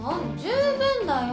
十分だよ！